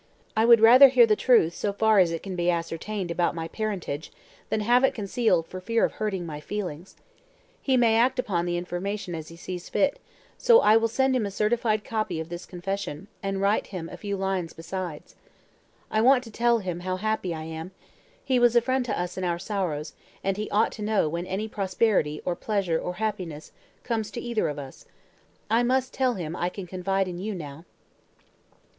I would rather hear the truth so far as it can be ascertained about my parentage, than have it concealed for fear of hurting my feelings. He may act upon the information as he sees fit; so I will send him a certified copy of this confession, and write him a few lines besides. I want to tell him how happy I am: he was a friend to us in our sorrows, and he ought to know when any prosperity, or pleasure, or happiness, comes to either of us. I must tell him I can confide in you now."